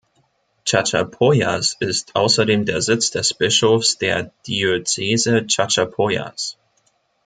Chachapoyas ist außerdem der Sitz des Bischofs der Diözese Chachapoyas.